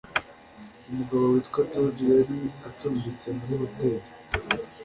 Umugabo witwa George yari acumbitse muri hoteri.